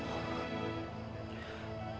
kau mencari ayah ku